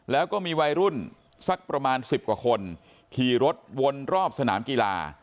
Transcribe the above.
แล้วก็มีวัยรุ่นสักประมาณ๑๐กว่าคนขี่รถวนรอบสนามกีฬา